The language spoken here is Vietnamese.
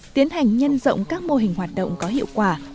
tiến hành nhân rộng các mô hình hoạt động có hiệu quả